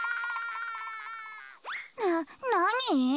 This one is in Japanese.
ななに？